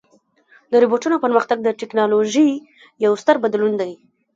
د روبوټونو پرمختګ د ټکنالوژۍ یو ستر بدلون دی.